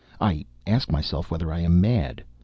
I ask myself whether I am mad.